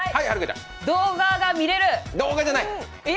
動画が見れる。